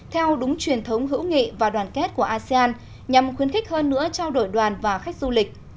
theo đúng truyền thống hữu nghị và đoàn kết của asean nhằm khuyến khích hơn nữa trao đổi đoàn và khách du lịch